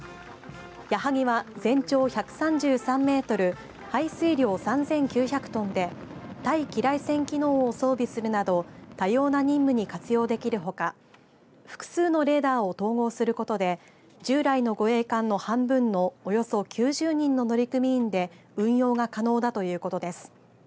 やはぎは、全長１３３メートル排水量３９００トンで対機雷戦機能を装備するなど多様な任務に活用できるほか複数のレーダーを統合することで従来の護衛艦の半分のおよそ９０人の乗組員で運用が可能だということです。